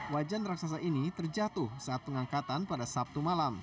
wajan raksasa ini terjatuh saat pengangkatan pada sabtu malam